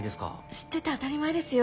「知ってて当たり前ですよ」